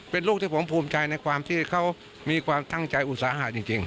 เป็นลูกที่ผมภูมิใจในความที่เขามีความตั้งใจอุตสาหะจริง